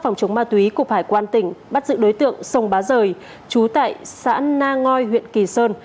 phòng chống ma túy cục hải quan tỉnh bắt giữ đối tượng sông bá rời chú tại xã na ngoi huyện kỳ sơn